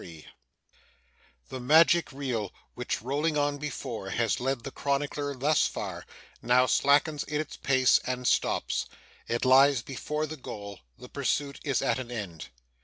CHAPTER 73 The magic reel, which, rolling on before, has led the chronicler thus far, now slackens in its pace, and stops. It lies before the goal; the pursuit is at an end.